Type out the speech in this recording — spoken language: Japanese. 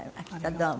どうも。